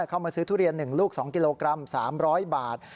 เข้ามาซื้อทุเรียน๑ลูก๒กิโลกรัม๓๐๐บาท